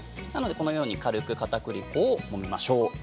このように軽くかたくり粉をもみましょう。